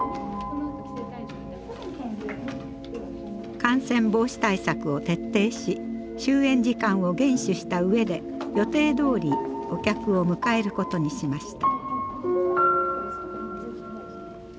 感染防止対策を徹底し終演時間を厳守した上で予定どおりお客を迎えることにしました。